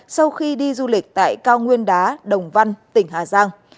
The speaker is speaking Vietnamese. sau khi đi du lịch tại cao nguyên đá đồng văn tỉnh hà giang